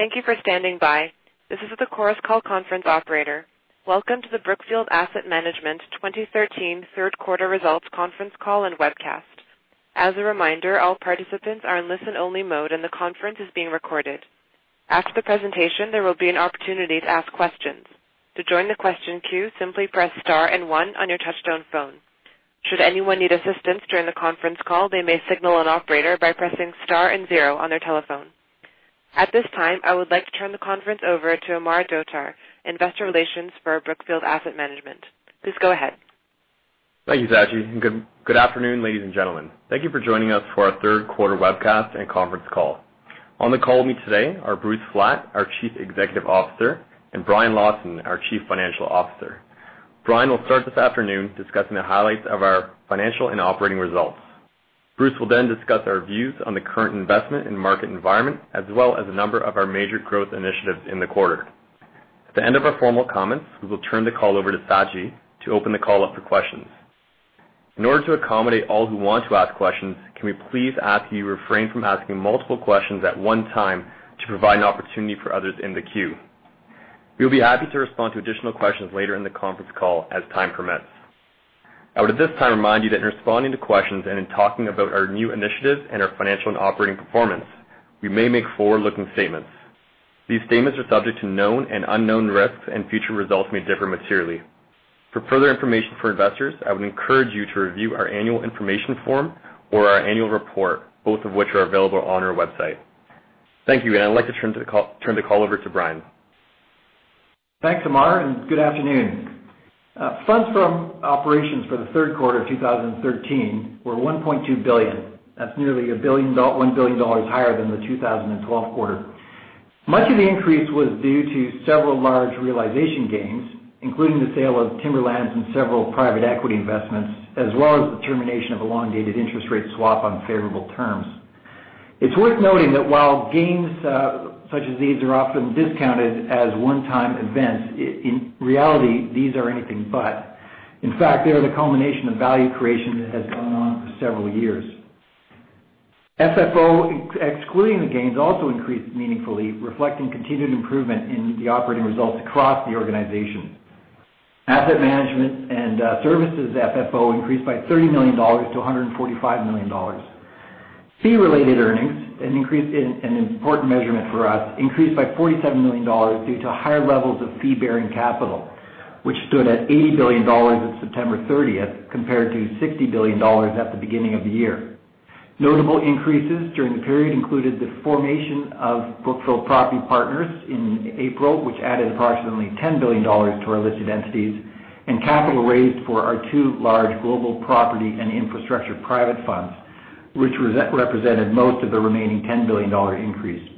Thank you for standing by. This is the Chorus Call conference operator. Welcome to the Brookfield Asset Management 2013 third quarter results conference call and webcast. As a reminder, all participants are in listen-only mode, and the conference is being recorded. After the presentation, there will be an opportunity to ask questions. To join the question queue, simply press star and one on your touchtone phone. Should anyone need assistance during the conference call, they may signal an operator by pressing star and zero on their telephone. At this time, I would like to turn the conference over to Amar Dhotar, Investor Relations for Brookfield Asset Management. Please go ahead. Thank you, Sachin, and good afternoon, ladies and gentlemen. Thank you for joining us for our third quarter webcast and conference call. On the call with me today are Bruce Flatt, our Chief Executive Officer, and Brian Lawson, our Chief Financial Officer. Brian will start this afternoon discussing the highlights of our financial and operating results. Bruce will then discuss our views on the current investment and market environment, as well as a number of our major growth initiatives in the quarter. At the end of our formal comments, we will turn the call over to Sachin to open the call up for questions. In order to accommodate all who want to ask questions, can we please ask you to refrain from asking multiple questions at one time to provide an opportunity for others in the queue. We will be happy to respond to additional questions later in the conference call as time permits. I would, at this time, remind you that in responding to questions and in talking about our new initiatives and our financial and operating performance, we may make forward-looking statements. These statements are subject to known and unknown risks, and future results may differ materially. For further information for investors, I would encourage you to review our annual information form or our annual report, both of which are available on our website. Thank you. I'd like to turn the call over to Brian. Thanks, Amar. Good afternoon. Funds from operations for the third quarter of 2013 were $1.2 billion. That's nearly $1 billion higher than the 2012 quarter. Much of the increase was due to several large realization gains, including the sale of Timberlands and several private equity investments, as well as the termination of a long-dated interest rate swap on favorable terms. It's worth noting that while gains such as these are often discounted as one-time events, in reality, these are anything but. In fact, they are the culmination of value creation that has gone on for several years. FFO, excluding the gains, also increased meaningfully, reflecting continued improvement in the operating results across the organization. Asset management and services FFO increased by $30 million to $145 million. Fee-related earnings, an important measurement for us, increased by $47 million due to higher levels of fee-bearing capital, which stood at $80 billion on September 30th, compared to $60 billion at the beginning of the year. Notable increases during the period included the formation of Brookfield Property Partners in April, which added approximately $10 billion to our listed entities, and capital raised for our two large global property and infrastructure private funds, which represented most of the remaining $10 billion increase.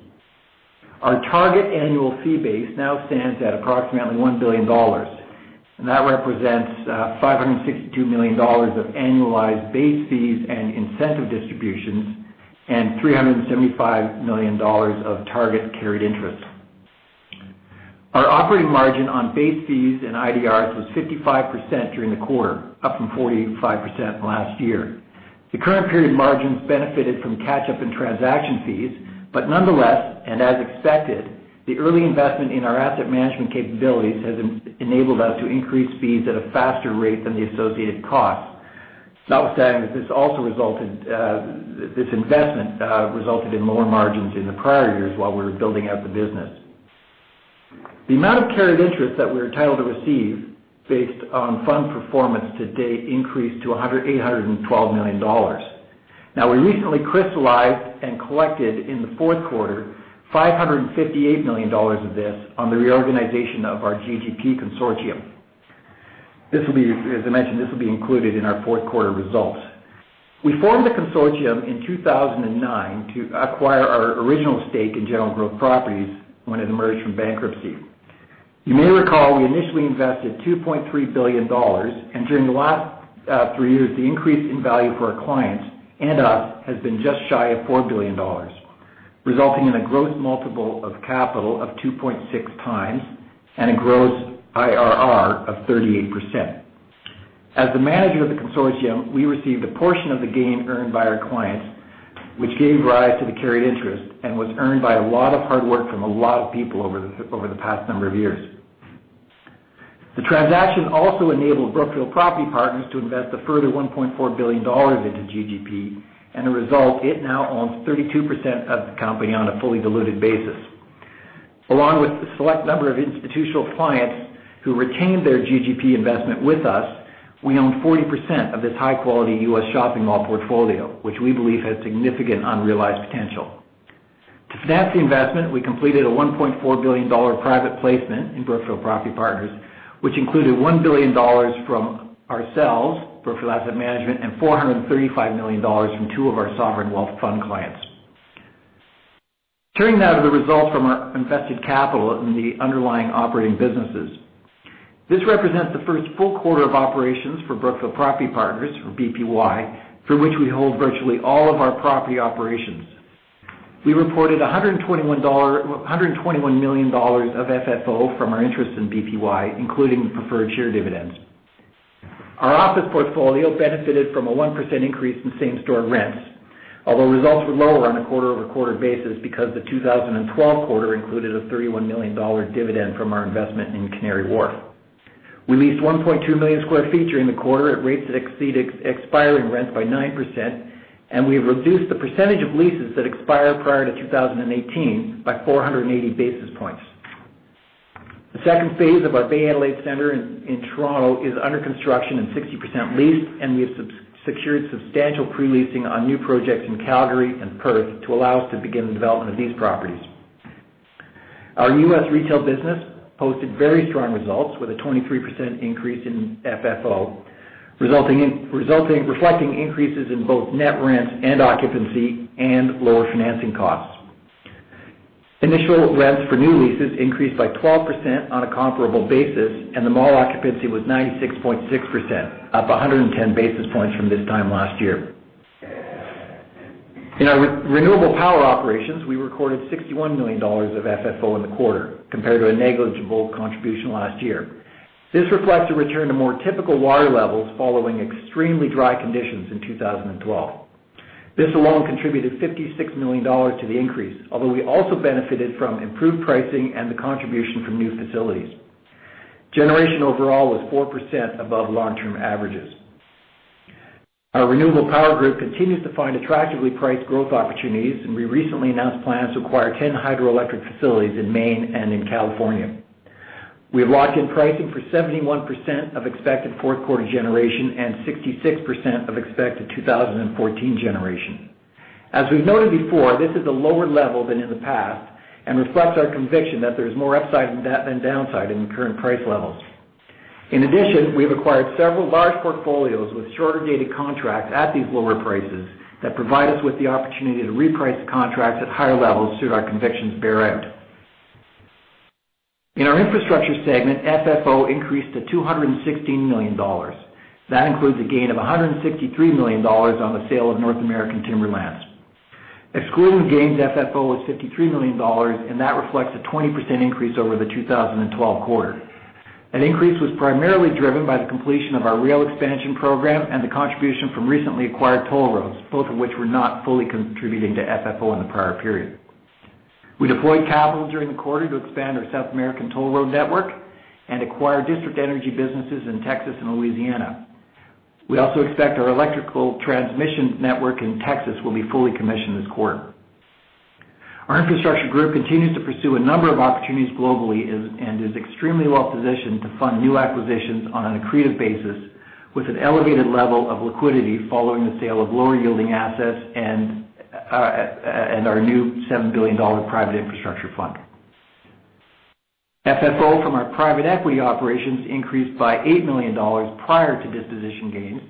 Our target annual fee base now stands at approximately $1 billion. That represents $562 million of annualized base fees and incentive distributions and $375 million of target carried interest. Our operating margin on base fees and IDRs was 55% during the quarter, up from 45% last year. The current period margins benefited from catch-up in transaction fees, nonetheless, and as expected, the early investment in our asset management capabilities has enabled us to increase fees at a faster rate than the associated costs. Notwithstanding, this investment resulted in lower margins in the prior years while we were building out the business. The amount of carried interest that we were entitled to receive based on fund performance to date increased to $812 million. We recently crystallized and collected in the fourth quarter $558 million of this on the reorganization of our GGP consortium. As I mentioned, this will be included in our fourth quarter results. We formed the consortium in 2009 to acquire our original stake in General Growth Properties when it emerged from bankruptcy. You may recall we initially invested $2.3 billion. During the last three years, the increase in value for our clients and us has been just shy of $4 billion, resulting in a gross multiple of capital of 2.6 times and a gross IRR of 38%. As the manager of the consortium, we received a portion of the gain earned by our clients, which gave rise to the carried interest and was earned by a lot of hard work from a lot of people over the past number of years. The transaction also enabled Brookfield Property Partners to invest a further $1.4 billion into GGP. As a result, it now owns 32% of the company on a fully diluted basis. Along with a select number of institutional clients who retained their GGP investment with us, we own 40% of this high-quality U.S. shopping mall portfolio, which we believe has significant unrealized potential. To finance the investment, we completed a $1.4 billion private placement in Brookfield Property Partners, which included $1 billion from ourselves, Brookfield Asset Management, and $435 million from two of our sovereign wealth fund clients. Turning now to the results from our invested capital in the underlying operating businesses. This represents the first full quarter of operations for Brookfield Property Partners, or BPY, through which we hold virtually all of our property operations. We reported $121 million of FFO from our interest in BPY, including the preferred share dividends. Our office portfolio benefited from a 1% increase in same-store rents, although results were lower on a quarter-over-quarter basis because the 2012 quarter included a $31 million dividend from our investment in Canary Wharf. We leased 1.2 million square feet during the quarter at rates that exceeded expiring rents by 9%, and we have reduced the percentage of leases that expire prior to 2018 by 480 basis points. The second phase of our Bay Adelaide Centre in Toronto is under construction and 60% leased, and we have secured substantial pre-leasing on new projects in Calgary and Perth to allow us to begin the development of these properties. Our U.S. retail business posted very strong results with a 23% increase in FFO, reflecting increases in both net rents and occupancy and lower financing costs. Initial rents for new leases increased by 12% on a comparable basis. The mall occupancy was 96.6%, up 110 basis points from this time last year. In our renewable power operations, we recorded $61 million of FFO in the quarter, compared to a negligible contribution last year. This reflects a return to more typical water levels following extremely dry conditions in 2012. This alone contributed $56 million to the increase, although we also benefited from improved pricing and the contribution from new facilities. Generation overall was 4% above long-term averages. Our renewable power group continues to find attractively priced growth opportunities, and we recently announced plans to acquire 10 hydroelectric facilities in Maine and in California. We have locked in pricing for 71% of expected fourth-quarter generation and 66% of expected 2014 generation. As we've noted before, this is a lower level than in the past and reflects our conviction that there's more upside than downside in the current price levels. In addition, we have acquired several large portfolios with shorter-dated contracts at these lower prices that provide us with the opportunity to reprice the contracts at higher levels should our convictions bear out. In our infrastructure segment, FFO increased to $216 million. That includes a gain of $163 million on the sale of North American Timberlands. Excluding gains, FFO was $53 million, and that reflects a 20% increase over the 2012 quarter. That increase was primarily driven by the completion of our rail expansion program and the contribution from recently acquired toll roads, both of which were not fully contributing to FFO in the prior period. We deployed capital during the quarter to expand our South American toll road network and acquire district energy businesses in Texas and Louisiana. We also expect our electrical transmission network in Texas will be fully commissioned this quarter. Our infrastructure group continues to pursue a number of opportunities globally and is extremely well-positioned to fund new acquisitions on an accretive basis with an elevated level of liquidity following the sale of lower-yielding assets and our new $7 billion private infrastructure fund. FFO from our private equity operations increased by $8 million prior to disposition gains,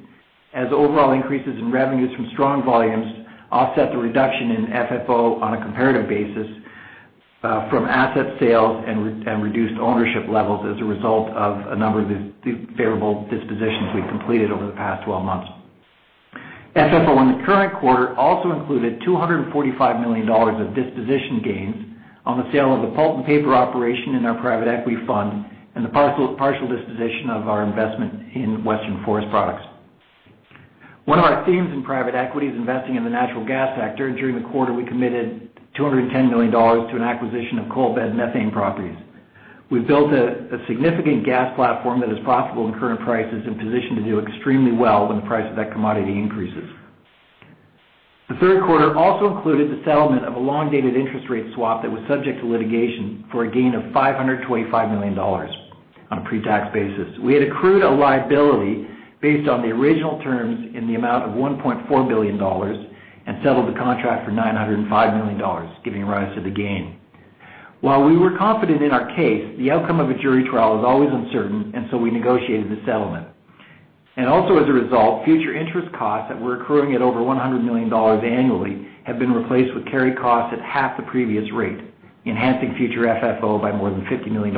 as overall increases in revenues from strong volumes offset the reduction in FFO on a comparative basis from asset sales and reduced ownership levels as a result of a number of the favorable dispositions we've completed over the past 12 months. FFO in the current quarter also included $245 million of disposition gains on the sale of the pulp and paper operation in our private equity fund and the partial disposition of our investment in Western Forest Products. One of our themes in private equity is investing in the natural gas sector. During the quarter, we committed $210 million to an acquisition of coal bed methane properties. We've built a significant gas platform that is profitable in current prices and positioned to do extremely well when the price of that commodity increases. The third quarter also included the settlement of a long-dated interest rate swap that was subject to litigation for a gain of $525 million on a pre-tax basis. We had accrued a liability based on the original terms in the amount of $1.4 billion and settled the contract for $905 million, giving rise to the gain. While we were confident in our case, the outcome of a jury trial is always uncertain, we negotiated the settlement. Also as a result, future interest costs that were accruing at over $100 million annually have been replaced with carry costs at half the previous rate, enhancing future FFO by more than $50 million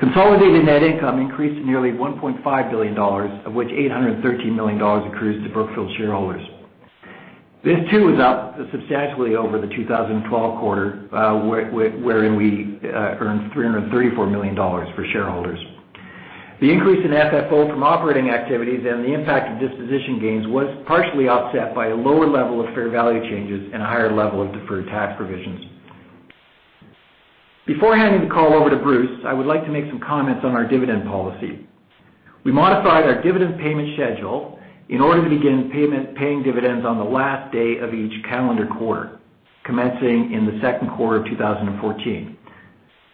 annually. Consolidated net income increased to nearly $1.5 billion, of which $813 million accrues to Brookfield shareholders. This too is up substantially over the 2012 quarter, wherein we earned $334 million for shareholders. The increase in FFO from operating activities and the impact of disposition gains was partially offset by a lower level of fair value changes and a higher level of deferred tax provisions. Before handing the call over to Bruce, I would like to make some comments on our dividend policy. We modified our dividend payment schedule in order to begin paying dividends on the last day of each calendar quarter, commencing in the second quarter of 2014.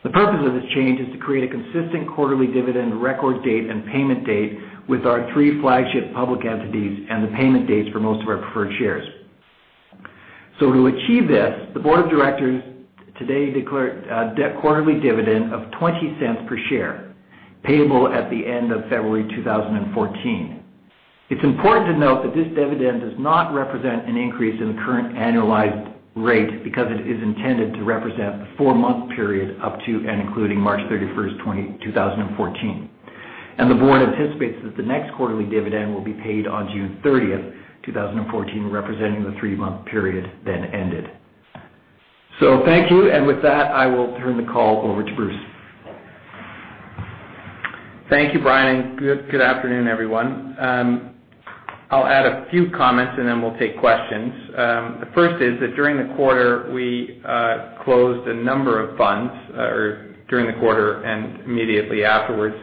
The purpose of this change is to create a consistent quarterly dividend record date and payment date with our three flagship public entities and the payment dates for most of our preferred shares. To achieve this, the board of directors today declared a quarterly dividend of $0.20 per share, payable at the end of February 2014. It's important to note that this dividend does not represent an increase in the current annualized rate because it is intended to represent the four-month period up to and including March 31st, 2014. The board anticipates that the next quarterly dividend will be paid on June 30th, 2014, representing the three-month period then ended. Thank you. With that, I will turn the call over to Bruce. Thank you, Brian, good afternoon, everyone. I'll add a few comments and then we'll take questions. The first is that during the quarter, we closed a number of funds, or during the quarter and immediately afterwards.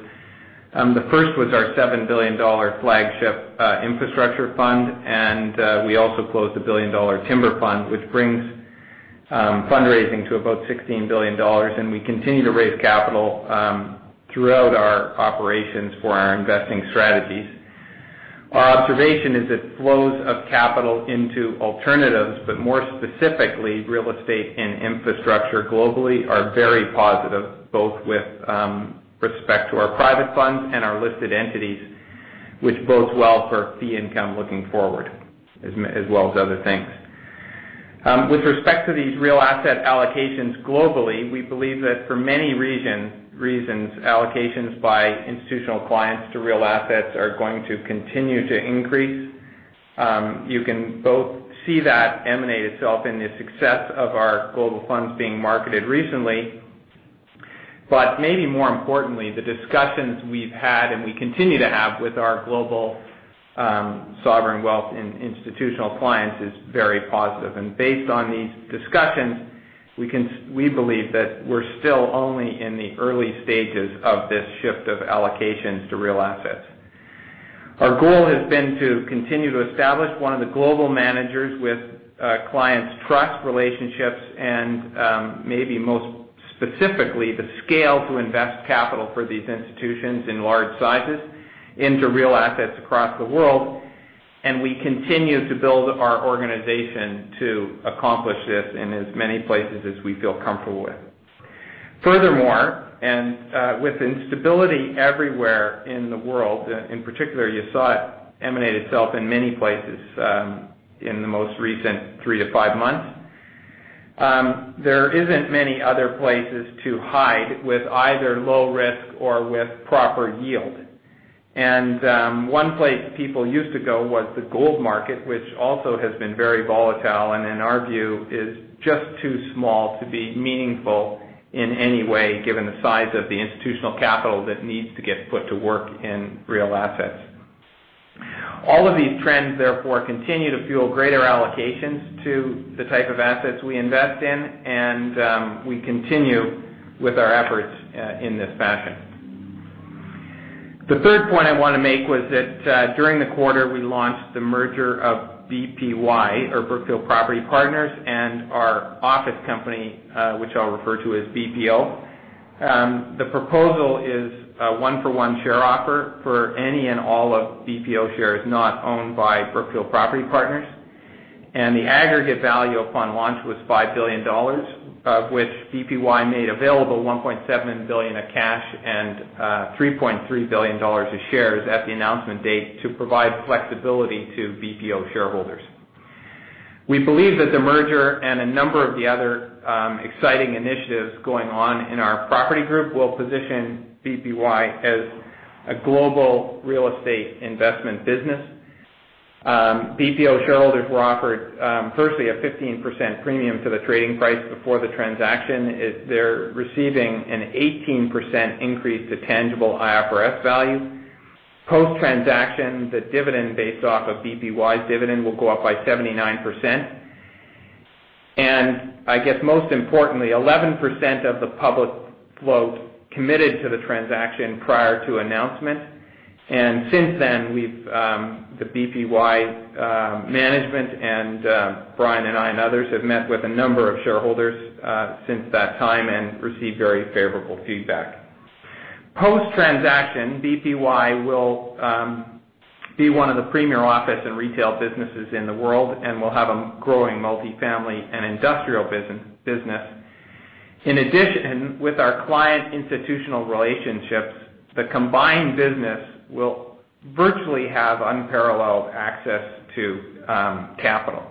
The first was our $7 billion flagship infrastructure fund. We also closed a billion-dollar timber fund, which brings fundraising to about $16 billion. We continue to raise capital throughout our operations for our investing strategies. Our observation is that flows of capital into alternatives, but more specifically, real estate and infrastructure globally, are very positive, both with respect to our private funds and our listed entities, which bodes well for fee income looking forward, as well as other things. With respect to these real asset allocations globally, we believe that for many reasons, allocations by institutional clients to real assets are going to continue to increase. You can both see that emanate itself in the success of our global funds being marketed recently. Maybe more importantly, the discussions we've had and we continue to have with our global sovereign wealth in institutional clients is very positive. Based on these discussions, we believe that we're still only in the early stages of this shift of allocations to real assets. Our goal has been to continue to establish one of the global managers with clients' trust, relationships, and, maybe most specifically, the scale to invest capital for these institutions in large sizes into real assets across the world. We continue to build our organization to accomplish this in as many places as we feel comfortable with. Furthermore, with instability everywhere in the world, in particular, you saw it emanate itself in many places in the most recent three to five months. There isn't many other places to hide with either low risk or with proper yield. One place people used to go was the gold market, which also has been very volatile and in our view, is just too small to be meaningful in any way, given the size of the institutional capital that needs to get put to work in real assets. All of these trends, therefore, continue to fuel greater allocations to the type of assets we invest in, and we continue with our efforts in this fashion. The third point I want to make was that during the quarter, we launched the merger of BPY, or Brookfield Property Partners, and our office company, which I'll refer to as BPO. The proposal is a one-for-one share offer for any and all of BPO shares not owned by Brookfield Property Partners. The aggregate value upon launch was $5 billion, of which BPY made available $1.7 billion of cash and $3.3 billion of shares at the announcement date to provide flexibility to BPO shareholders. We believe that the merger and a number of the other exciting initiatives going on in our property group will position BPY as a global real estate investment business. BPO shareholders were offered, firstly, a 15% premium to the trading price before the transaction. They're receiving an 18% increase to tangible IFRS value. Post-transaction, the dividend based off of BPY's dividend will go up by 79%. I guess most importantly, 11% of the public float committed to the transaction prior to announcement. Since then, the BPY management and Brian and I, and others, have met with a number of shareholders since that time and received very favorable feedback. Post-transaction, BPY will be one of the premier office and retail businesses in the world and will have a growing multifamily and industrial business. In addition, with our client institutional relationships, the combined business will virtually have unparalleled access to capital.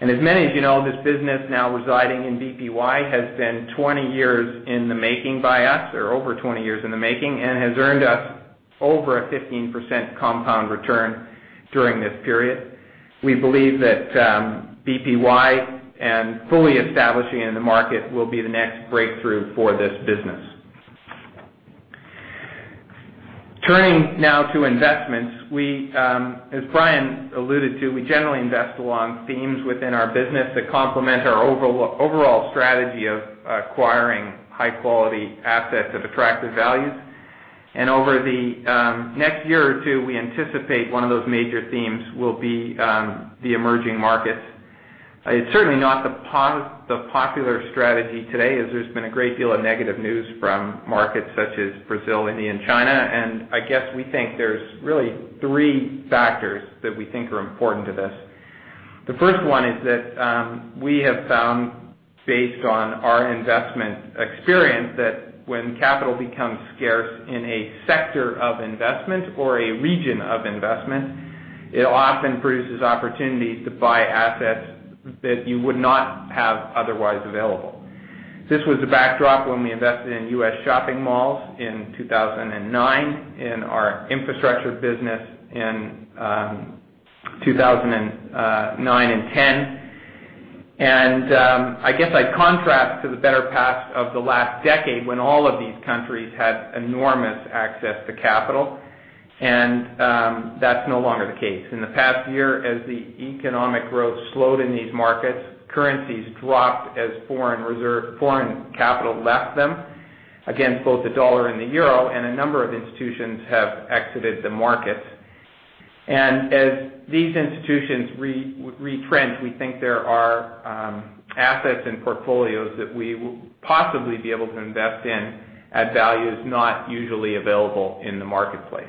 As many of you know, this business now residing in BPY has been 20 years in the making by us, or over 20 years in the making, and has earned us over a 15% compound return during this period. We believe that BPY and fully establishing it in the market will be the next breakthrough for this business. Turning now to investments, as Brian alluded to, we generally invest along themes within our business that complement our overall strategy of acquiring high-quality assets of attractive values. Over the next year or two, we anticipate one of those major themes will be the emerging markets. It's certainly not the popular strategy today, as there's been a great deal of negative news from markets such as Brazil, India, and China. I guess we think there's really three factors that we think are important to this. The first one is that we have found, based on our investment experience, that when capital becomes scarce in a sector of investment or a region of investment, it often produces opportunities to buy assets that you would not have otherwise available. This was the backdrop when we invested in U.S. shopping malls in 2009, in our infrastructure business in 2009 and 2010. I guess I'd contrast to the better part of the last decade when all of these countries had enormous access to capital, and that's no longer the case. In the past year, as the economic growth slowed in these markets, currencies dropped as foreign capital left them against both the dollar and the euro, and a number of institutions have exited the market. As these institutions retrench, we think there are assets and portfolios that we will possibly be able to invest in at values not usually available in the marketplace.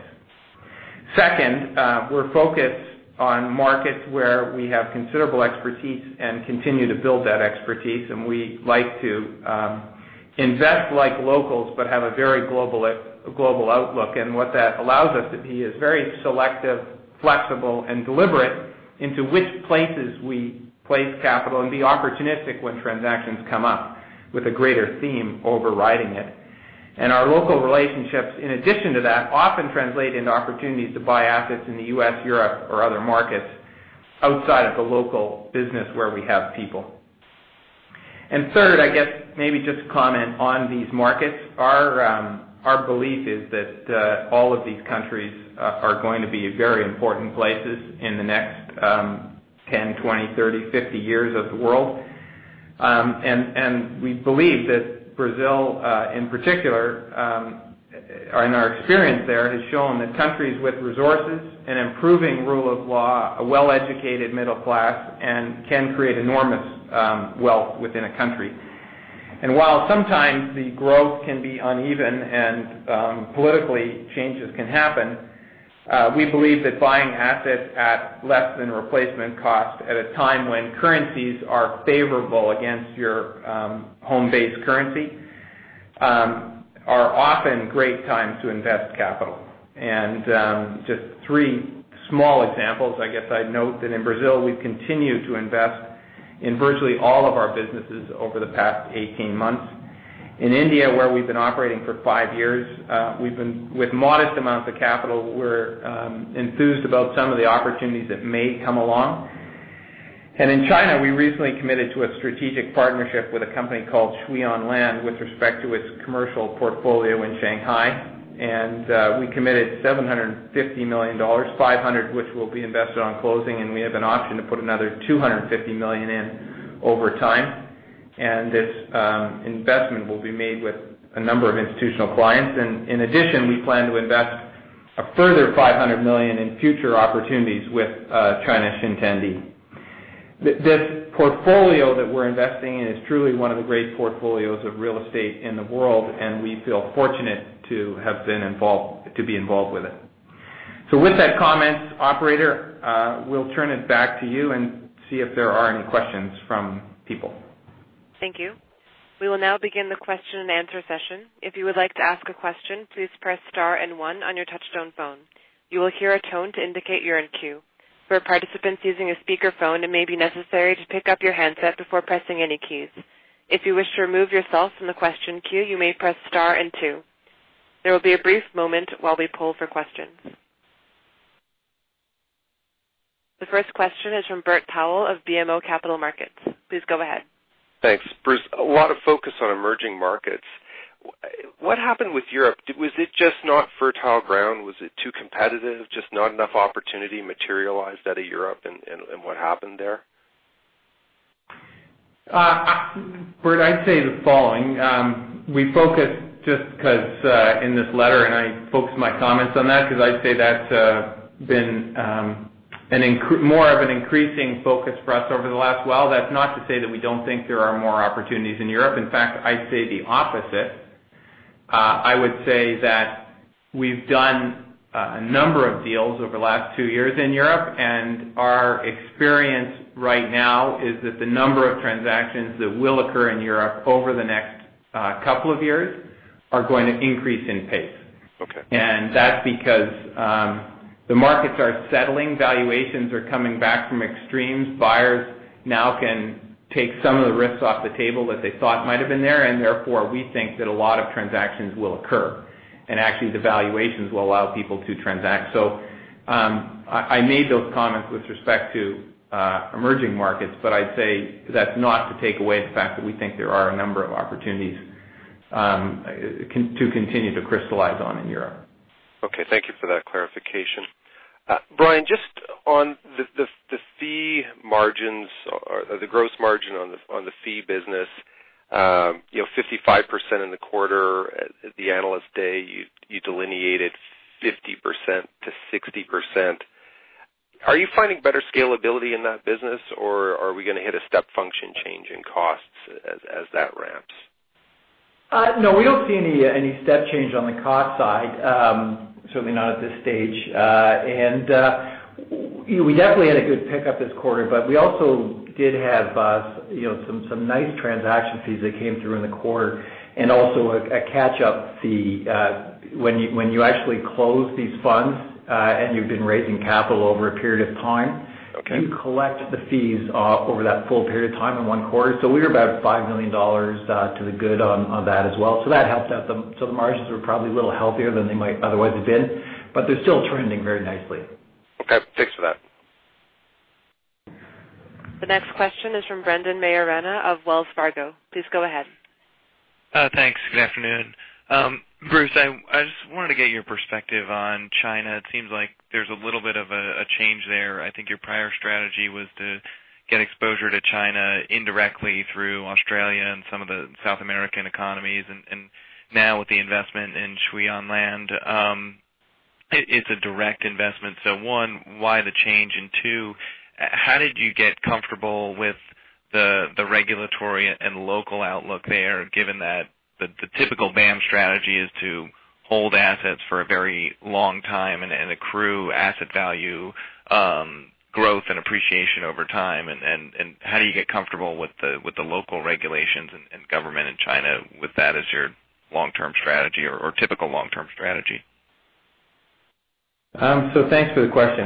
Second, we're focused on markets where we have considerable expertise and continue to build that expertise. We like to invest like locals but have a very global outlook. What that allows us to be is very selective, flexible, and deliberate into which places we place capital and be opportunistic when transactions come up with a greater theme overriding it. Our local relationships, in addition to that, often translate into opportunities to buy assets in the U.S., Europe, or other markets outside of the local business where we have people. Third, I guess maybe just to comment on these markets. Our belief is that all of these countries are going to be very important places in the next 10, 20, 30, 50 years of the world. We believe that Brazil, in particular, in our experience there, has shown that countries with resources, an improving rule of law, a well-educated middle class can create enormous wealth within a country. While sometimes the growth can be uneven and politically changes can happen, we believe that buying assets at less than replacement cost at a time when currencies are favorable against your home base currency are often great times to invest capital. Just three small examples, I guess I'd note that in Brazil we've continued to invest in virtually all of our businesses over the past 18 months. In India, where we've been operating for 5 years, with modest amounts of capital, we're enthused about some of the opportunities that may come along. In China, we recently committed to a strategic partnership with a company called Shui On Land with respect to its commercial portfolio in Shanghai. We committed $750 million, $500 million which will be invested on closing, and we have an option to put another $250 million in over time. This investment will be made with a number of institutional clients. In addition, we plan to invest a further $500 million in future opportunities with China Xintiandi. This portfolio that we're investing in is truly one of the great portfolios of real estate in the world, and we feel fortunate to be involved with it. With that comment, operator, we'll turn it back to you and see if there are any questions from people. Thank you. We will now begin the question and answer session. If you would like to ask a question, please press star and one on your touchtone phone. You will hear a tone to indicate you're in queue. For participants using a speaker phone, it may be necessary to pick up your handset before pressing any keys. If you wish to remove yourself from the question queue, you may press star and two. There will be a brief moment while we poll for questions. The first question is from Bert Powell of BMO Capital Markets. Please go ahead. Thanks. Bruce, a lot of focus on emerging markets. What happened with Europe? Was it just not fertile ground? Was it too competitive, just not enough opportunity materialized out of Europe and what happened there? Bert, I'd say the following. We focused just because in this letter, I focused my comments on that because I'd say that's been more of an increasing focus for us over the last while. That's not to say that we don't think there are more opportunities in Europe. In fact, I'd say the opposite. I would say that we've done a number of deals over the last two years in Europe, our experience right now is that the number of transactions that will occur in Europe over the next couple of years are going to increase in pace. Okay. That's because the markets are settling, valuations are coming back from extremes. Buyers now can take some of the risks off the table that they thought might've been there. Therefore, we think that a lot of transactions will occur. Actually, the valuations will allow people to transact. I made those comments with respect to emerging markets. I'd say that's not to take away the fact that we think there are a number of opportunities to continue to crystallize on in Europe. Okay. Thank you for that clarification. Brian, just on the gross margin on the fee business, 55% in the quarter. At the Analyst Day, you delineated 50%-60%. Are you finding better scalability in that business, or are we going to hit a step function change in costs as that ramps? No, we don't see any step change on the cost side. Certainly not at this stage. We definitely had a good pickup this quarter, we also did have some nice transaction fees that came through in the quarter and also a catch-up fee. When you actually close these funds and you've been raising capital over a period of time You collect the fees over that full period of time in one quarter. We're about $5 million to the good on that as well. That helps out. The margins are probably a little healthier than they might otherwise have been, they're still trending very nicely. Okay. Thanks for that. The next question is from Brendan Maiorana of Wells Fargo. Please go ahead. Thanks. Good afternoon. Bruce, I just wanted to get your perspective on China. It seems like there's a little bit of a change there. I think your prior strategy was to get exposure to China indirectly through Australia and some of the South American economies, and now with the investment in Shui On Land, it's a direct investment. One, why the change, and two, how did you get comfortable with the regulatory and local outlook there, given that the typical BAM strategy is to hold assets for a very long time and accrue asset value, growth, and appreciation over time. How do you get comfortable with the local regulations and government in China with that as your long-term strategy or typical long-term strategy? Thanks for the question.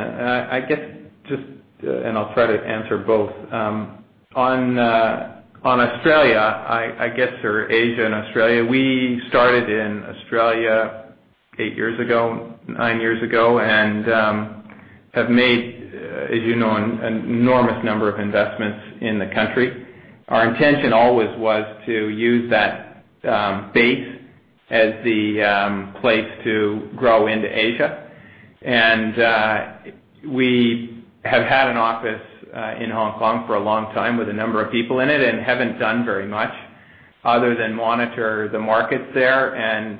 I'll try to answer both. On Australia, I guess, or Asia and Australia, we started in Australia eight years ago, nine years ago, and have made, as you know, an enormous number of investments in the country. Our intention always was to use that base as the place to grow into Asia. We have had an office in Hong Kong for a long time with a number of people in it and haven't done very much other than monitor the markets there and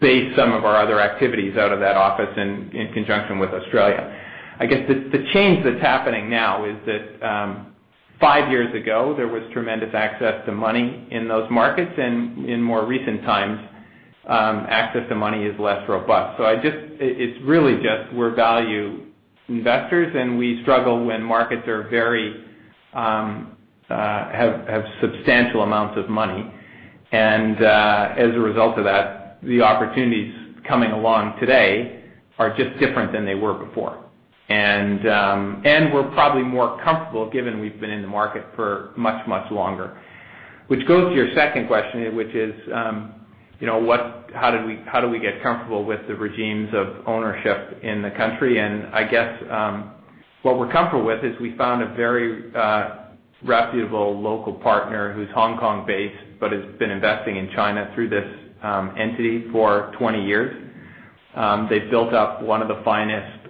base some of our other activities out of that office in conjunction with Australia. I guess the change that's happening now is that five years ago, there was tremendous access to money in those markets. In more recent times, access to money is less robust. It's really just we're value investors, we struggle when markets have substantial amounts of money. As a result of that, the opportunities coming along today are just different than they were before. We're probably more comfortable given we've been in the market for much, much longer. Which goes to your second question, which is, how do we get comfortable with the regimes of ownership in the country? I guess what we're comfortable with is we found a very reputable local partner who's Hong Kong-based but has been investing in China through this entity for 20 years. They've built up one of the finest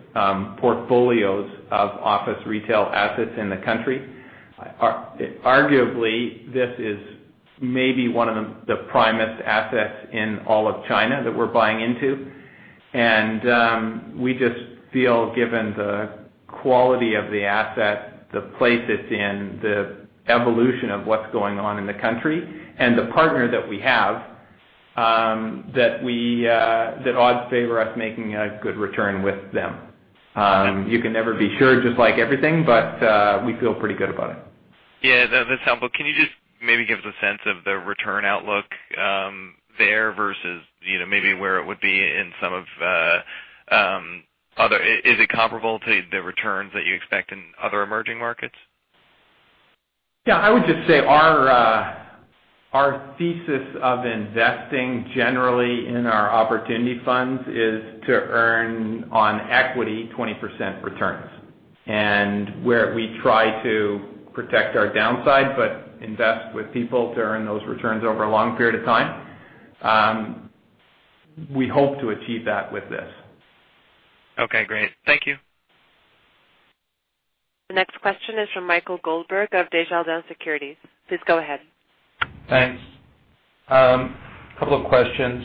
portfolios of office retail assets in the country. Arguably, this is maybe one of the primest assets in all of China that we're buying into. We just feel, given the quality of the asset, the place it's in, the evolution of what's going on in the country, and the partner that we have, that odds favor us making a good return with them. You can never be sure, just like everything, but we feel pretty good about it. Yeah. That's helpful. Can you just maybe give us a sense of the return outlook there versus maybe where it would be in. Is it comparable to the returns that you expect in other emerging markets? Yeah. I would just say our thesis of investing generally in our opportunity funds is to earn on equity 20% returns, where we try to protect our downside but invest with people to earn those returns over a long period of time. We hope to achieve that with this. Okay, great. Thank you. The next question is from Michael Goldberg of Desjardins Securities. Please go ahead. Thanks. Couple of questions.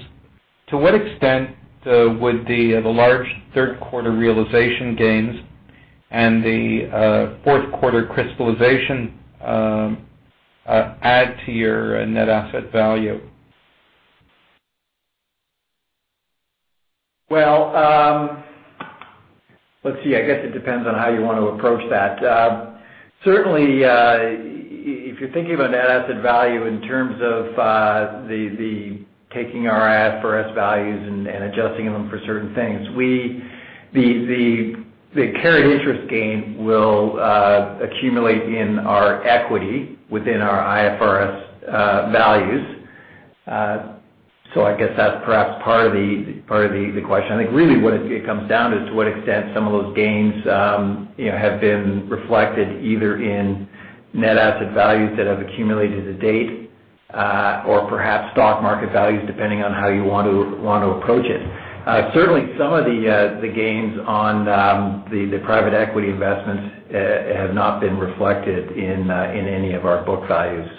To what extent would the large third quarter realization gains and the fourth quarter crystallization add to your net asset value? Well, let's see, I guess it depends on how you want to approach that. Certainly, if you're thinking of a net asset value in terms of the taking our IFRS values and adjusting them for certain things. The carried interest gain will accumulate in our equity within our IFRS values. I guess that's perhaps part of the question. I think really what it comes down is to what extent some of those gains have been reflected either in net asset values that have accumulated to date or perhaps stock market values, depending on how you want to approach it. Certainly, some of the gains on the private equity investments have not been reflected in any of our book values.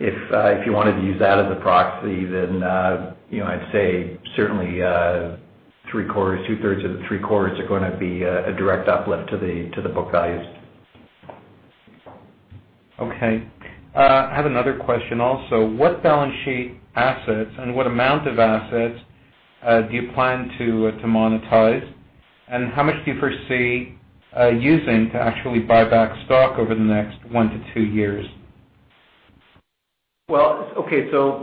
If you wanted to use that as a proxy, then I'd say certainly two-thirds of the three-quarters are going to be a direct uplift to the book values. Okay. I have another question also. What balance sheet assets and what amount of assets do you plan to monetize, and how much do you foresee using to actually buy back stock over the next one to two years? Well,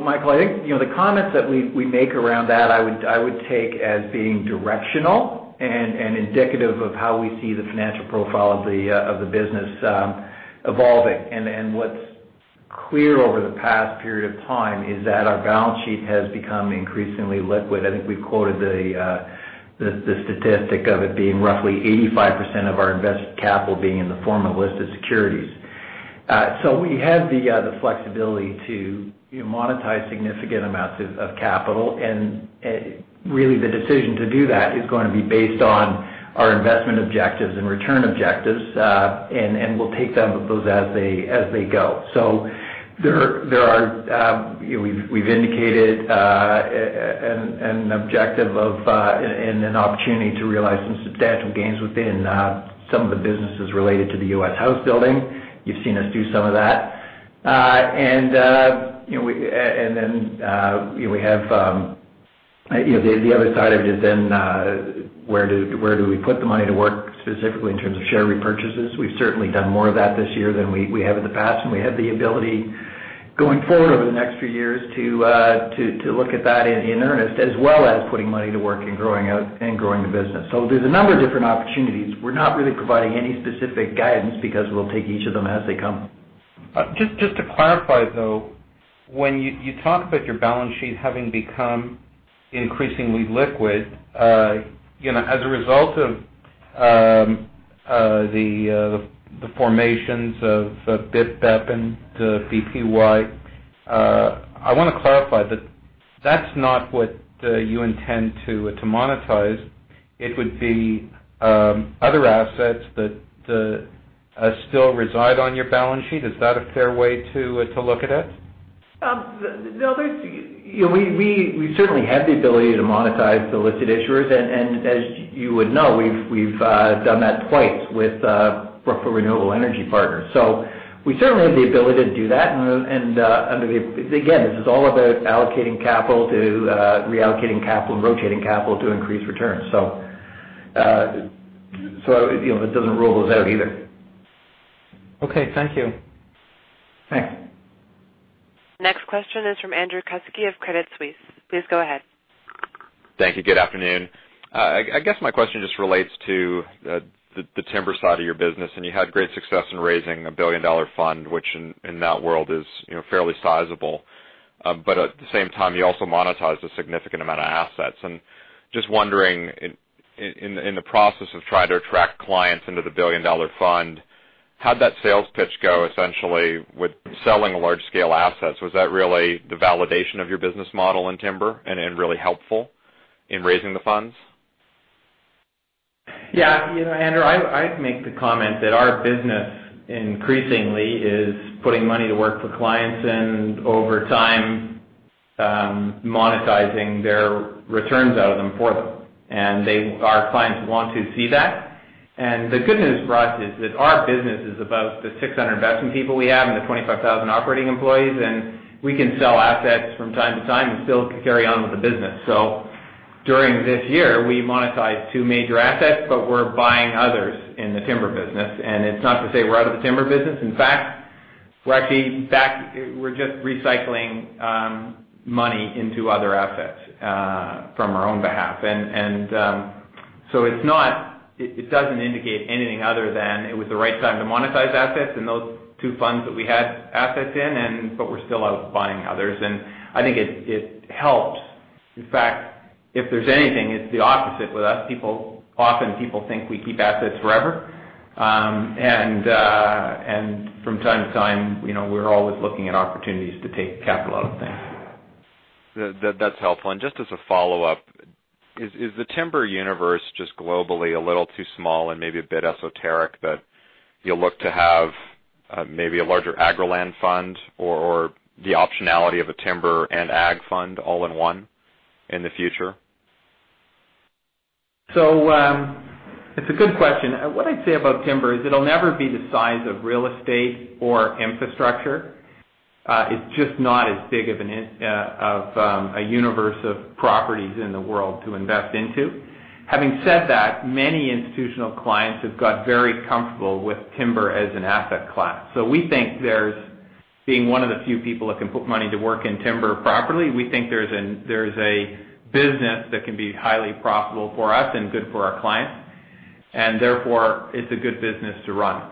Michael, I think the comments that we make around that, I would take as being directional and indicative of how we see the financial profile of the business evolving. What's clear over the past period of time is that our balance sheet has become increasingly liquid. I think we've quoted the statistic of it being roughly 85% of our invested capital being in the form of listed securities. We have the flexibility to monetize significant amounts of capital, and really the decision to do that is going to be based on our investment objectives and return objectives. We'll take them as they go. We've indicated an objective and an opportunity to realize some substantial gains within some of the businesses related to the U.S. house building. You've seen us do some of that. We have the other side of it is, where do we put the money to work, specifically in terms of share repurchases? We've certainly done more of that this year than we have in the past, and we have the ability going forward over the next few years to look at that in earnest, as well as putting money to work and growing the business. There's a number of different opportunities. We're not really providing any specific guidance because we'll take each of them as they come. Just to clarify, though, when you talk about your balance sheet having become increasingly liquid as a result of the formations of BIP, BEP and BPY, I want to clarify that that's not what you intend to monetize. It would be other assets that still reside on your balance sheet. Is that a fair way to look at it? We certainly have the ability to monetize the listed issuers, and as you would know, we've done that twice with Brookfield Renewable Partners. We certainly have the ability to do that, again, this is all about allocating capital to reallocating capital and rotating capital to increase returns. It doesn't rule those out either. Okay. Thank you. Thanks. Next question is from Andrew Kuske of Credit Suisse. Please go ahead. Thank you. Good afternoon. I guess my question just relates to the timber side of your business, and you had great success in raising a billion-dollar fund, which in that world is fairly sizable. At the same time, you also monetized a significant amount of assets. Just wondering, in the process of trying to attract clients into the billion-dollar fund, how'd that sales pitch go, essentially, with selling large-scale assets? Was that really the validation of your business model in timber and really helpful in raising the funds? Andrew, I'd make the comment that our business increasingly is putting money to work for clients and over time monetizing their returns out of them for them. Our clients want to see that. The good news for us is that our business is about the 600 investment people we have and the 25,000 operating employees, and we can sell assets from time to time and still carry on with the business. During this year, we monetized two major assets, but we're buying others in the timber business. It's not to say we're out of the timber business. In fact, we're just recycling money into other assets from our own behalf. It doesn't indicate anything other than it was the right time to monetize assets in those two funds that we had assets in, but we're still out buying others, and I think it helps. In fact, if there's anything, it's the opposite with us. Often, people think we keep assets forever. From time to time, we're always looking at opportunities to take capital out of things. That's helpful. Just as a follow-up, is the timber universe just globally a little too small and maybe a bit esoteric that you look to have maybe a larger agri land fund or the optionality of a timber and ag fund all in one in the future? It's a good question. What I'd say about timber is it'll never be the size of real estate or infrastructure. It's just not as big of a universe of properties in the world to invest into. Having said that, many institutional clients have got very comfortable with timber as an asset class. We think there's being one of the few people that can put money to work in timber properly. We think there's a business that can be highly profitable for us and good for our clients, and therefore it's a good business to run.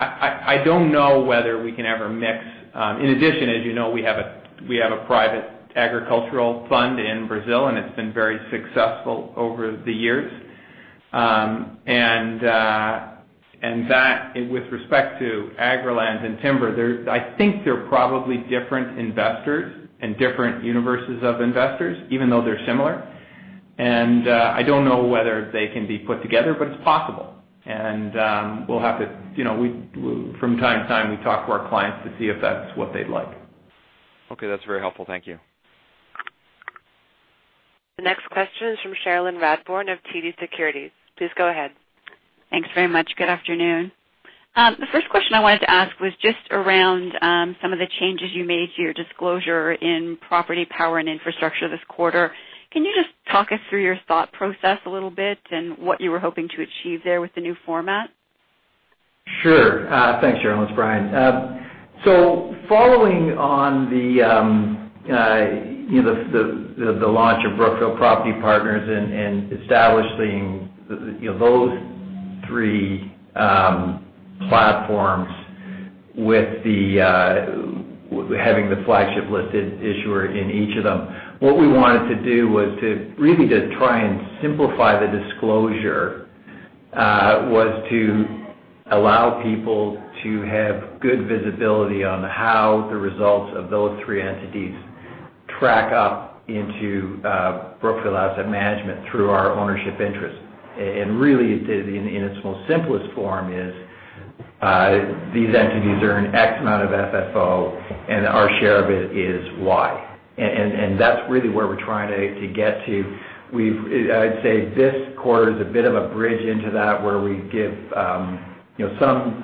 I don't know whether we can ever mix. In addition, as you know, we have a private agricultural fund in Brazil, and it's been very successful over the years. That, with respect to agri lands and timber, I think they're probably different investors and different universes of investors, even though they're similar. I don't know whether they can be put together, but it's possible. We'll have to, from time to time, we talk to our clients to see if that's what they'd like. Okay. That's very helpful. Thank you. The next question is from Cherilyn Radbourne of TD Securities. Please go ahead. Thanks very much. Good afternoon. The first question I wanted to ask was just around some of the changes you made to your disclosure in property, power and infrastructure this quarter. Can you just talk us through your thought process a little bit and what you were hoping to achieve there with the new format? Sure. Thanks, Cherilyn. It's Brian. Following on the launch of Brookfield Property Partners and establishing those three platforms with having the flagship listed issuer in each of them, what we wanted to do was to really try and simplify the disclosure, was to allow people to have good visibility on how the results of those three entities track up into Brookfield Asset Management through our ownership interest. Really, in its most simplest form is these entities earn X amount of FFO and our share of it is Y. That's really where we're trying to get to. I'd say this quarter is a bit of a bridge into that, where we give some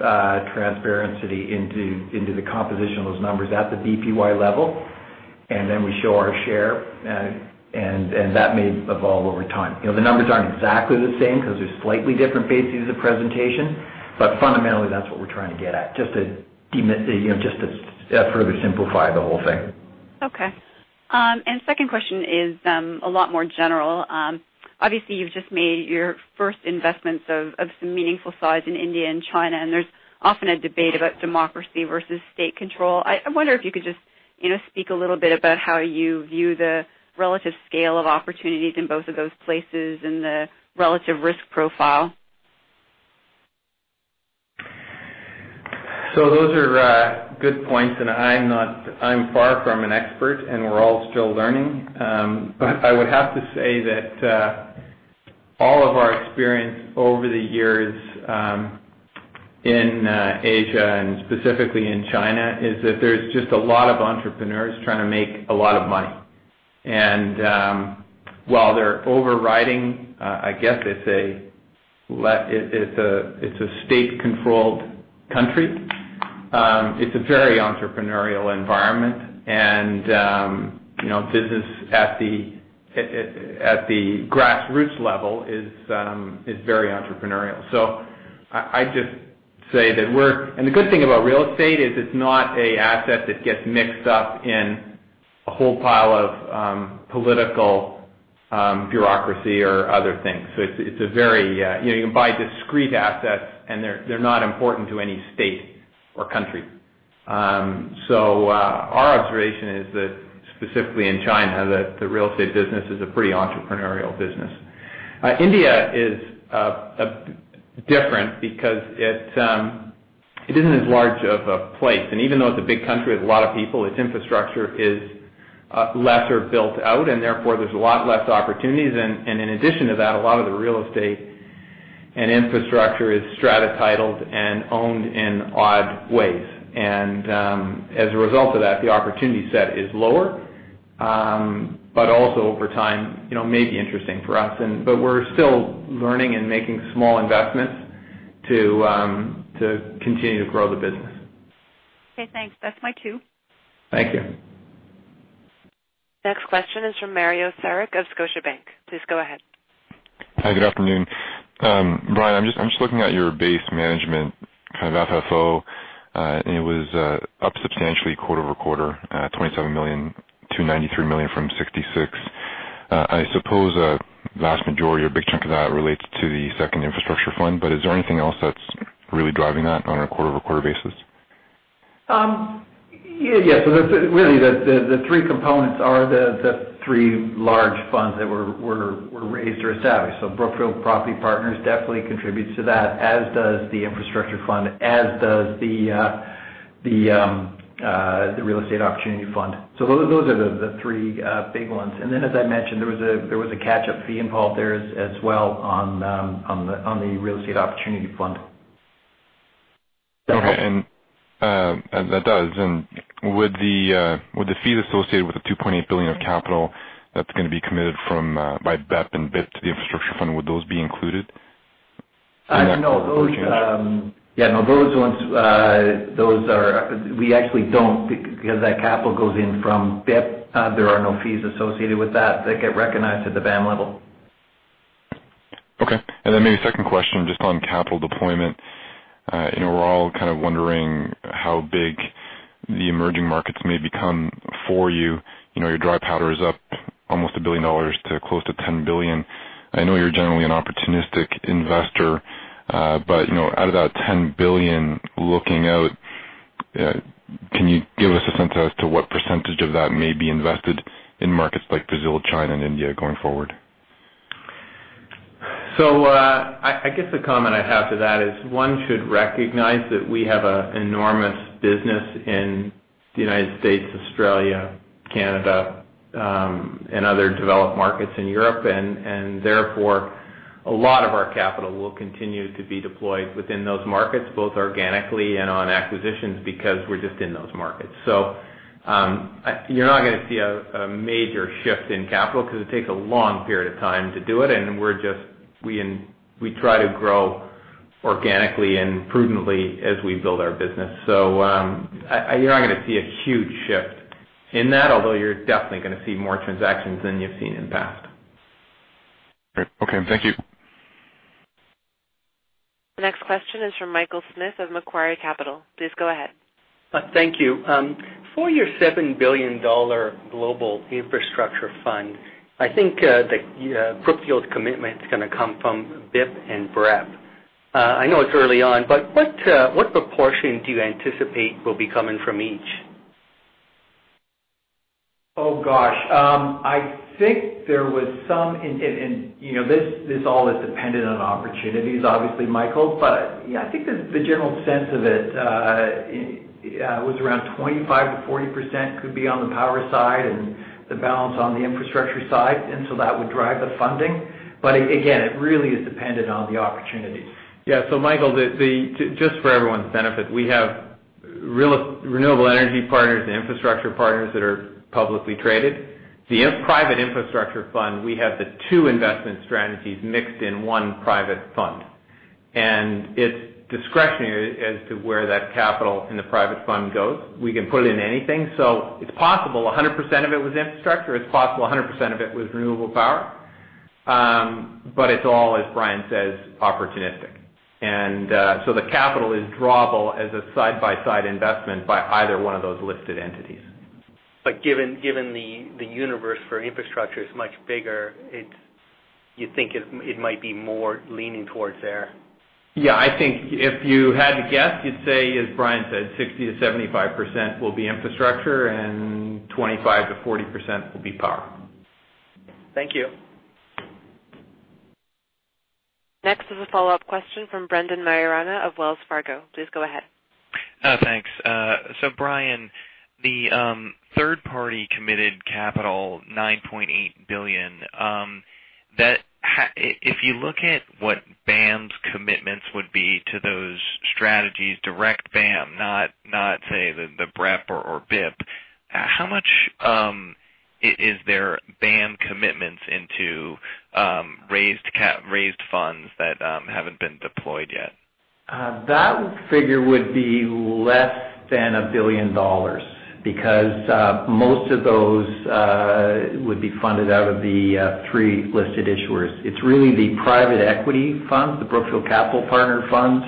transparency into the composition of those numbers at the BPY level, and then we show our share, and that may evolve over time. The numbers aren't exactly the same because they're slightly different bases of presentation. Fundamentally, that's what we're trying to get at, just to further simplify the whole thing. Okay. Second question is a lot more general. Obviously, you've just made your first investments of some meaningful size in India and China, and there's often a debate about democracy versus state control. I wonder if you could just speak a little bit about how you view the relative scale of opportunities in both of those places and the relative risk profile. Those are good points, and I'm far from an expert, and we're all still learning. I would have to say that all of our experience over the years, in Asia and specifically in China, is that there's just a lot of entrepreneurs trying to make a lot of money. While they're overriding, I guess it's a state-controlled country. It's a very entrepreneurial environment. Business at the grassroots level is very entrepreneurial. The good thing about real estate is it's not an asset that gets mixed up in a whole pile of political bureaucracy or other things. You can buy discrete assets, and they're not important to any state or country. Our observation is that specifically in China, the real estate business is a pretty entrepreneurial business. India is different because it isn't as large of a place. Even though it's a big country with a lot of people, its infrastructure is lesser built out, and therefore there's a lot less opportunities. In addition to that, a lot of the real estate and infrastructure is strata title and owned in odd ways. As a result of that, the opportunity set is lower. Also over time may be interesting for us. We're still learning and making small investments to continue to grow the business. Okay, thanks. That's my cue. Thank you. Next question is from Mario Saric of Scotiabank. Please go ahead. Hi. Good afternoon. Brian, I'm just looking at your base management kind of FFO, it was up substantially quarter-over-quarter, $27 million to $93 million from $66 million. I suppose a vast majority or a big chunk of that relates to the second infrastructure fund. Is there anything else that's really driving that on a quarter-over-quarter basis? Yes. Really, the three components are the three large funds that were raised or established. Brookfield Property Partners definitely contributes to that, as does the infrastructure fund, as does the Real Estate Opportunity Fund. Those are the three big ones. Then, as I mentioned, there was a catch-up fee involved there as well on the Real Estate Opportunity Fund. Okay. That does. Would the fee associated with the $2.8 billion of capital that's going to be committed by BEP and BIP to the infrastructure fund, would those be included in that quarter-over-quarter change? No. We actually don't because that capital goes in from BIP. There are no fees associated with that get recognized at the BAM level. Okay. Maybe a second question just on capital deployment. We're all kind of wondering how big the emerging markets may become for you. Your dry powder is up almost $1 billion to close to $10 billion. I know you're generally an opportunistic investor. Out of that $10 billion looking out, can you give us a sense as to what percentage of that may be invested in markets like Brazil, China, and India going forward? I guess the comment I have to that is one should recognize that we have an enormous business in the U.S., Australia, Canada, and other developed markets in Europe. Therefore, a lot of our capital will continue to be deployed within those markets, both organically and on acquisitions, because we're just in those markets. You're not going to see a major shift in capital because it takes a long period of time to do it. We try to grow organically and prudently as we build our business. You're not going to see a huge shift in that, although you're definitely going to see more transactions than you've seen in the past. Great. Okay. Thank you. The next question is from Michael Smith of Macquarie Capital. Please go ahead. Thank you. For your $7 billion global infrastructure fund, I think the Brookfield commitment is going to come from BIP and BEP. I know it's early on, but what proportion do you anticipate will be coming from each? Oh, gosh. This all is dependent on opportunities, obviously, Michael. Yeah, I think the general sense of it was around 25%-40% could be on the power side and the balance on the infrastructure side, that would drive the funding. Again, it really is dependent on the opportunities. Yeah. Michael, just for everyone's benefit, we have Renewable Energy Partners and Infrastructure Partners that are publicly traded. The private infrastructure fund, we have the two investment strategies mixed in one private fund, it's discretionary as to where that capital in the private fund goes. We can put it in anything. It's possible 100% of it was infrastructure. It's possible 100% of it was renewable power. It's all, as Brian says, opportunistic. The capital is drawable as a side-by-side investment by either one of those listed entities. Given the universe for infrastructure is much bigger, you think it might be more leaning towards there? Yeah. I think if you had to guess, you'd say, as Brian said, 60%-75% will be infrastructure and 25%-40% will be power. Thank you. Next is a follow-up question from Brendan Maiorana of Wells Fargo. Please go ahead. Thanks. Brian, the third party committed capital, $9.8 billion. If you look at what BAM's commitments would be to those strategies, direct BAM, not, say, the BREP or BIP. How much is their BAM commitments into raised funds that haven't been deployed yet? That figure would be less than $1 billion because most of those would be funded out of the three listed issuers. It's really the private equity funds, the Brookfield Capital Partners funds,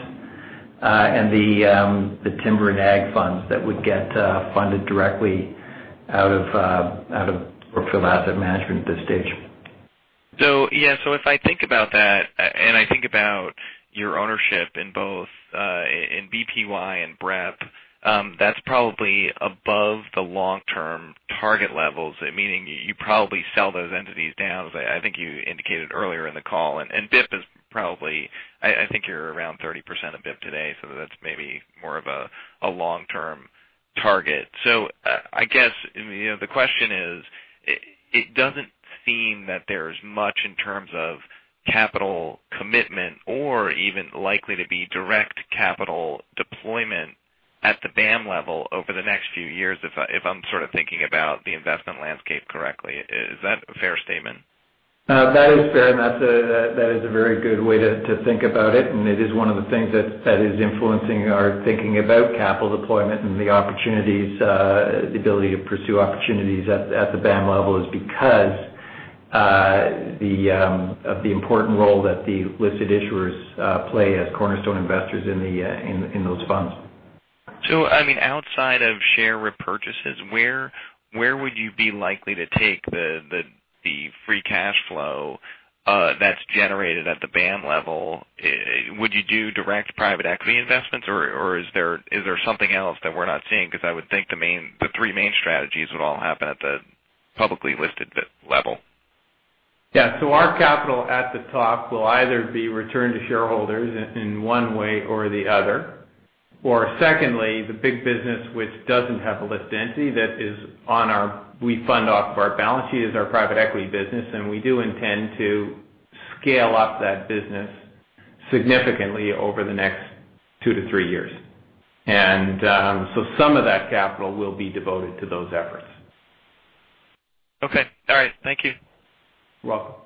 and the timber and ag funds that would get funded directly out of Brookfield Asset Management at this stage. Yeah. If I think about that and I think about your ownership in both in BPY and BEP, that's probably above the long-term target levels, meaning you probably sell those entities down, as I think you indicated earlier in the call. BIP is probably, I think you're around 30% of BIP today, so that's maybe more of a long-term target. I guess, the question is, it doesn't seem that there's much in terms of capital commitment or even likely to be direct capital deployment at the BAM level over the next few years, if I'm sort of thinking about the investment landscape correctly. Is that a fair statement? That is fair, that is a very good way to think about it is one of the things that is influencing our thinking about capital deployment and the ability to pursue opportunities at the BAM level is because of the important role that the listed issuers play as cornerstone investors in those funds. I mean, outside of share repurchases, where would you be likely to take the free cash flow that's generated at the BAM level? Would you do direct private equity investments, or is there something else that we're not seeing? Because I would think the three main strategies would all happen at the publicly listed level. Yeah. Our capital at the top will either be returned to shareholders in one way or the other. Secondly, the big business which doesn't have a list entity that we fund off of our balance sheet is our private equity business, and we do intend to scale up that business significantly over the next two to three years. Some of that capital will be devoted to those efforts. Okay. All right. Thank you. You're welcome.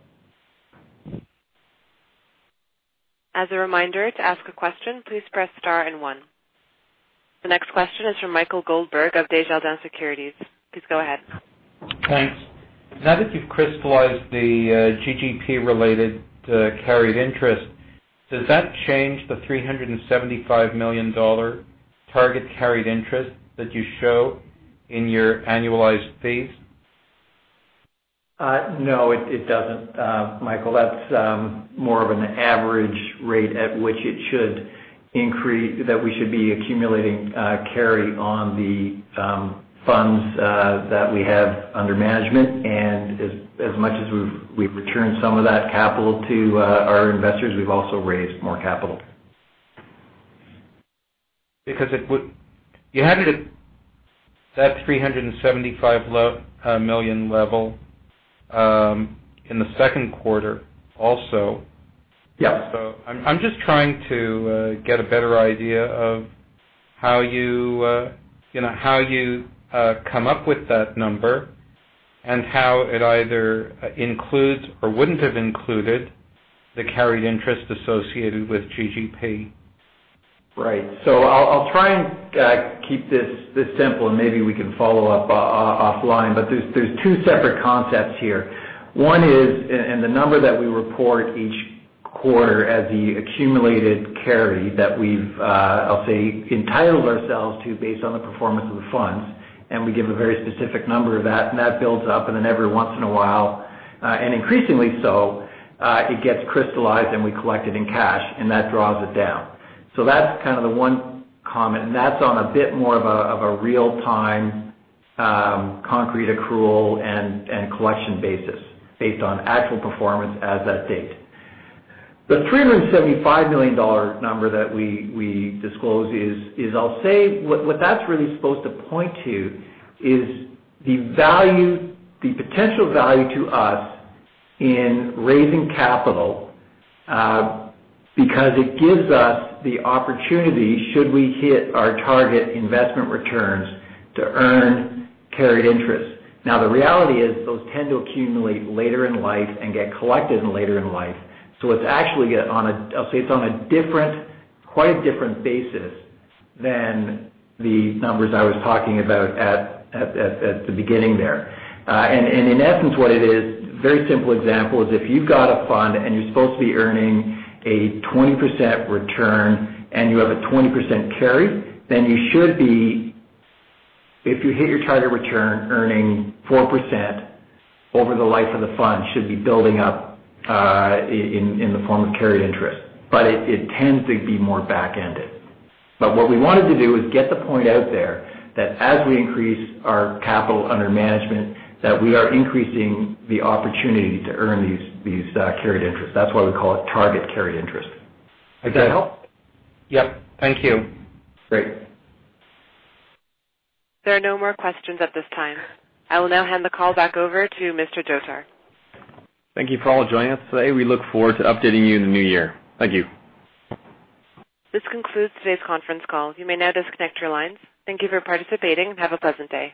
As a reminder, to ask a question, please press star and one. The next question is from Michael Goldberg of Desjardins Securities. Please go ahead. Thanks. Now that you've crystallized the GGP related carried interest, does that change the $375 million target carried interest that you show in your annualized fees? No, it doesn't, Michael. That's more of an average rate at which that we should be accumulating carry on the funds that we have under management. As much as we've returned some of that capital to our investors, we've also raised more capital. You had that $375 million level in the second quarter also. Yeah. I'm just trying to get a better idea of how you come up with that number and how it either includes or wouldn't have included the carried interest associated with GGP. Right. I'll try and keep this simple. Maybe we can follow up offline. There's two separate concepts here. One is, the number that we report each quarter as the accumulated carry that we've, I'll say, entitled ourselves to based on the performance of the funds. We give a very specific number of that. That builds up. Then every once in a while, increasingly so, it gets crystallized. We collect it in cash. That draws it down. That's kind of the one comment. That's on a bit more of a real-time, concrete accrual and collection basis based on actual performance as at date. The $375 million number that we disclose is, I'll say, what that's really supposed to point to is the potential value to us in raising capital, because it gives us the opportunity, should we hit our target investment returns, to earn carried interest. The reality is those tend to accumulate later in life and get collected later in life. It's actually, I'll say, it's on a quite different basis than the numbers I was talking about at the beginning there. In essence, what it is, very simple example, is if you've got a fund and you're supposed to be earning a 20% return and you have a 20% carry, then you should be, if you hit your target return, earning 4% over the life of the fund should be building up in the form of carried interest. It tends to be more back-ended. What we wanted to do is get the point out there that as we increase our capital under management, that we are increasing the opportunity to earn these carried interest. That's why we call it target carried interest. Does that help? Yep. Thank you. Great. There are no more questions at this time. I will now hand the call back over to Mr. Dhotar. Thank you for all joining us today. We look forward to updating you in the new year. Thank you. This concludes today's conference call. You may now disconnect your lines. Thank you for participating, and have a pleasant day.